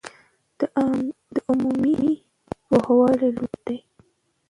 د عمومي پوهاوي لوړول اړین دي.